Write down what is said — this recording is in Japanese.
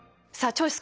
チョイス